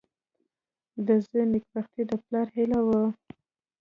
• د زوی نېکبختي د پلار هیله وي.